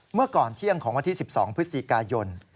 เมื่อก่อนเที่ยงของวันที่๑๒พฤศจิกายน